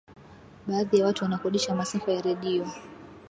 baadhi ya watu wanakodisha masafa ya redio